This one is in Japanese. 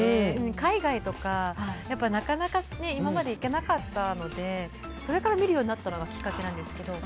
海外とかなかなか今まで行けなかったのでそれから見るようになったのがきっかけなんですけど。